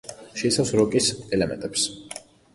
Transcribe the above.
შეიცავს როკის ელემენტებს.